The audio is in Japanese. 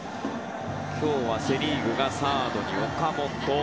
今日はセ・リーグがサードに岡本。